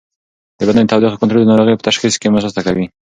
د بدن د تودوخې کنټرول د ناروغۍ په تشخیص کې مرسته کوي.